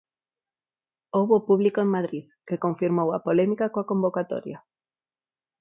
Houbo público en Madrid, que confirmou a polémica coa convocatoria.